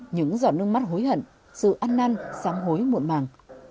những giọt nước mắt hối hận sự ăn năn xám hối muộn màng